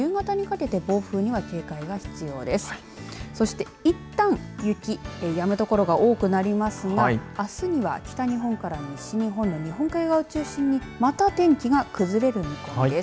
そして、いったん雪、やむ所が多くなりますがあすには北日本から西日本の日本海側を中心にまた天気が崩れる見込みです。